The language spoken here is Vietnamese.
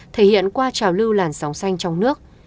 thể hiện qua trào lưu làn sóng xanh trong nước